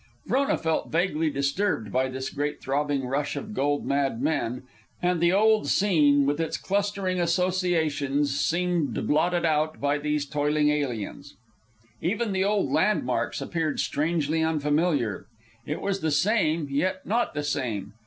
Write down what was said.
Frona felt vaguely disturbed by this great throbbing rush of gold mad men, and the old scene with its clustering associations seemed blotted out by these toiling aliens. Even the old landmarks appeared strangely unfamiliar. It was the same, yet not the same.